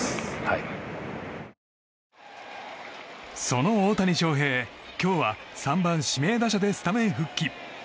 その大谷翔平今日は３番指名打者でスタメン復帰。